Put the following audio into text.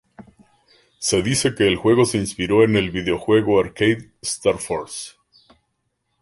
Se dice que el juego se inspiró en el videojuego arcade "Star Force".